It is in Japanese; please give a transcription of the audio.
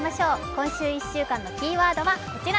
今週１週間のキーワードはこちら。